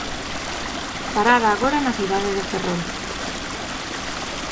Parada agora na cidade de Ferrol.